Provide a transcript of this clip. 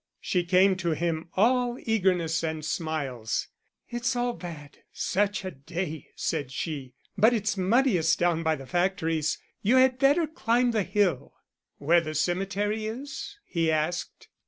She came to him all eagerness and smiles. "It's all bad, such a day," said she, "but it's muddiest down by the factories. You had better climb the hill." "Where the cemetery is?" he asked.